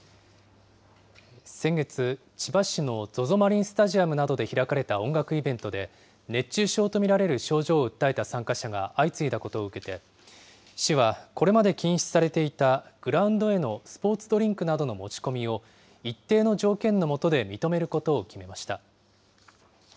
先月、千葉市のＺＯＺＯマリンスタジアムなどで開かれた音楽イベントで、熱中症と見られる症状を訴えた参加者が相次いだことを受けて、市はこれまで禁止されていたグラウンドへのスポーツドリンクなどの持ち込みを、一定の条件の下で認めることを決めました。